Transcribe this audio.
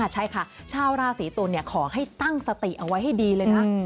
ใช่ค่ะชาวราศีตุลขอให้ตั้งสติเอาไว้ให้ดีเลยนะ